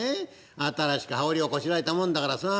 新しく羽織をこしらえたもんだからさあ。